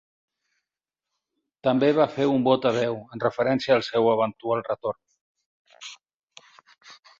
També va fer un vot a Déu en referència al seu eventual retorn.